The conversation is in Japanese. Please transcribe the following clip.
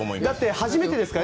初めてですから。